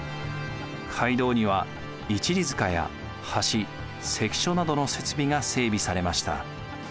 街道には一里塚や橋関所などの設備が整備されました。